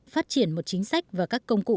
phát triển một chính sách và các công cụ